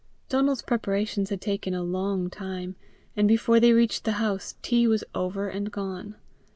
Donal's preparations had taken a long time, and before they reached the house, tea was over and gone.